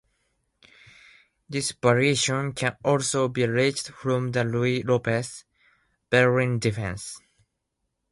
This variation can also be reached from the Ruy Lopez, Berlin Defence.